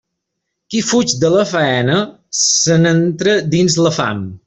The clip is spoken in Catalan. Qui fuig de la faena, se n'entra dins la fam.